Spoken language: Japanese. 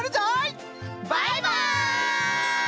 バイバイ！